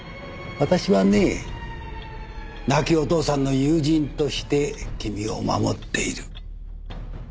私はね亡きお父さんの友人として君を守っている。